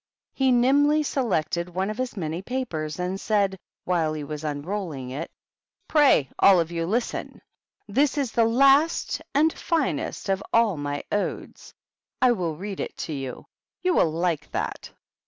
He nimbly selected one of his many papers, and said, while he was unrolling it, —" Pray all of you listen ! This is the last and finest of all my odes. I will read it you. You will like that."